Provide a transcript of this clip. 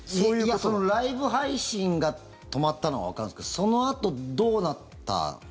ライブ配信が止まったのはわかるんですけどそのあと、どうなったんですか。